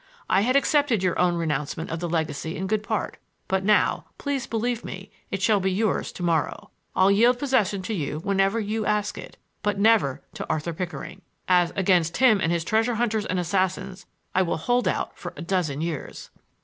I had accepted your own renouncement of the legacy in good part, but now, please believe me, it shall be yours to morrow. I'll yield possession to you whenever you ask it,—but never to Arthur Pickering! As against him and his treasure hunters and assassins I will hold out for a dozen years!"